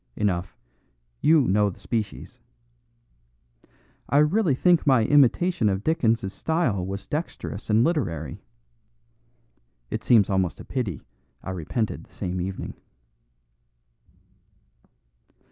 Enough, you know the species. I really think my imitation of Dickens's style was dexterous and literary. It seems almost a pity I repented the same evening."